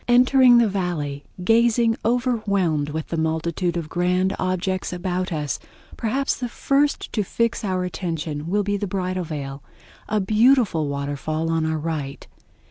Entering the Valley, gazing overwhelmed with the multitude of grand objects about us, perhaps the first to fix our attention will be the Bridal Veil, a beautiful waterfall on our right.